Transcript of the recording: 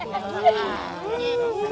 kasih jalan kasih lewat